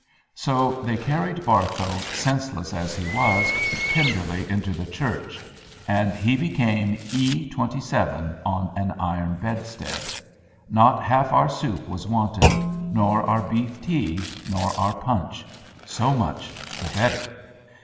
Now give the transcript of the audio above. So they carried Barthow, senseless as he was, tenderly into the church; and he became E, 27, on an iron bedstead. Not half our soup was wanted, nor our beef tea, nor our punch. So much the better.